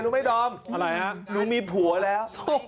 หนูไม่ดอมหนูมีผัวแล้ว